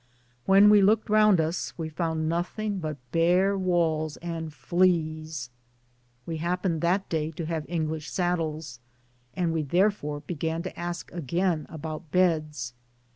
When we looked round us we found nothing but bare walls and fleas. We happened (that day) to have English saddles, and we therefore began to ask again about beds.